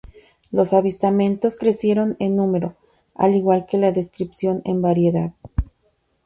Los avistamientos crecieron en número, al igual que la descripciones en variedad.